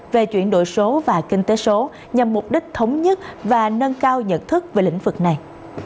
về chuyển đổi số và kinh tế số nhằm mục đích thống nhất và nâng cao nhận thức về lĩnh vực này